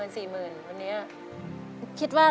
สู้ครับ